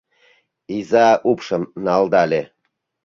Иза упшым налдале.